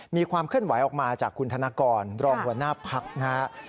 มีความเคลื่อนไหวออกมาจากคุณธนกรรองหัวหน้าพักนะครับ